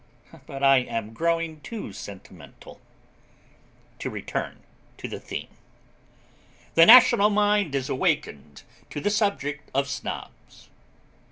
But I am growing too sentimental: to return to the theme. THE NATIONAL MIND IS AWAKENED TO THE SUBJECT OF SNOBS.